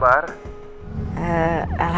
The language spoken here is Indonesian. biar pana sih